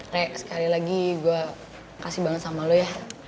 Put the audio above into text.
rek sekali lagi gue kasih banget sama lo ya